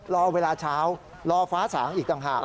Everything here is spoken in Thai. รอเวลาเช้ารอฟ้าสางอีกต่างหาก